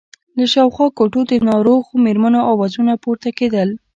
له شاوخوا کوټو د ناروغو مېرمنو آوازونه پورته کېدل.